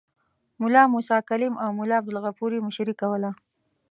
ملا موسی کلیم او ملا عبدالغفور یې مشري کوله.